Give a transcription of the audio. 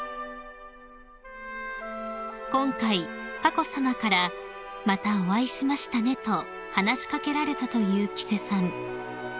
［今回佳子さまから「またお会いしましたね」と話し掛けられたという吉瀬さん］